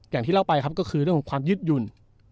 อย่างที่เล่าไปครับก็คือเรื่องของความยึดหยุ่น